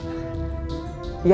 makasih ya